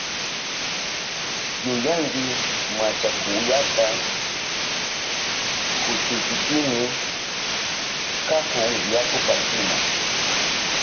¡Yuyanki machakuyata kuchuykipimi kahun yaku partima!